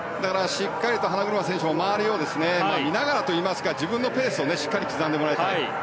しっかり花車選手も周りを見ながらといいますか自分のペースをしっかり刻んでほしいです。